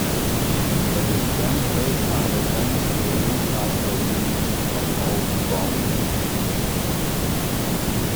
The dispensers are essentially recycled units from old bombs.